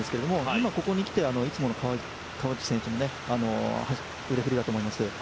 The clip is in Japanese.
今ここに来て、いつもの川内選手の手の振りだと思います。